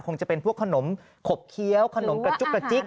จะเป็นพวกขนมขบเคี้ยวขนมกระจุกกระจิ๊ก